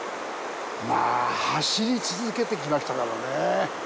まあ、走り続けてきましたからねぇ。